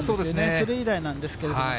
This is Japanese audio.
それ以来なんですけれども。